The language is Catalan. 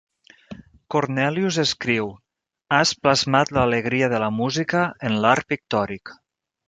Cornelius escriu: "Has plasmat l'alegria de la música en l'art pictòric".